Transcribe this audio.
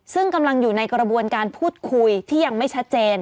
ซึ่งกำลังอยู่ในกระบวนการพูดคุยที่ยังไม่ชัดเจน